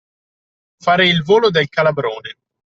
Fare il volo del calabrone.